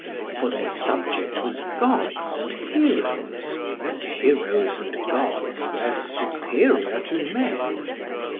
For their subject was gods and heroes, and heroes and gods were superior to men.